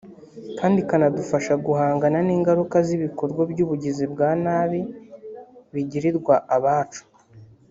kandi ikanadufasha guhangana n’ingaruka z’ibikorwa by’ubugizi bwa nabi bigiriwa abacu